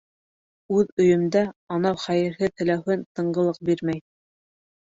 — Үҙ өйөмдә анау хәйерһеҙ һеләүһен тынғылыҡ бирмәй.